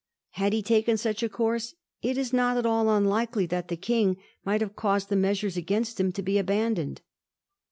Had he taken such a course it is not at all unlikely that the King might have caused the measures against him to be abandoned.